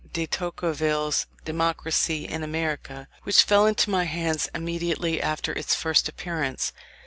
de Tocqueville's Democracy in America, which fell into my hands immediately after its first appearance.